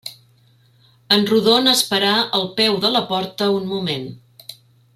En Rodon es parà al peu de la porta un moment